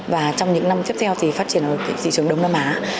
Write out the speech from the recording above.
và trong những năm tiếp theo thì phát triển ở thị trường đông nam á